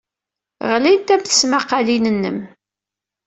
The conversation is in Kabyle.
Ɣlint-am tesmaqqalin-nnem.